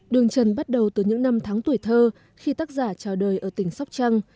đường trần bắt đầu từ những năm tháng tuổi thơ khi tác giả trào đời ở tỉnh sóc trăng